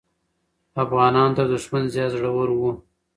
افغانان تر دښمن زیات زړور وو.